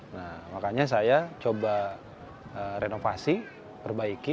nah makanya saya coba renovasi perbaiki